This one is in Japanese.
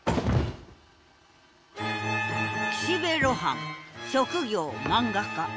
岸辺露伴職業漫画家。